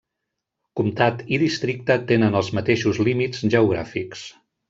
Comtat i districte tenen els mateixos límits geogràfics.